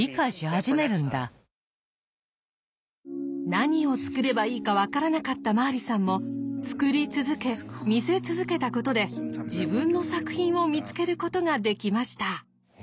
何を作ればいいか分からなかったマーリさんも作り続け見せ続けたことで自分の作品を見つけることができました。